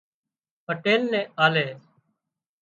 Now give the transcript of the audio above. پٽيل نين آلي